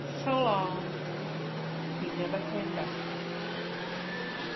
So long!" He never came back!